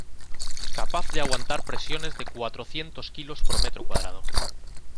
Capaz de aguantar presiones de cuatrocientos kilos por metro cuadrado.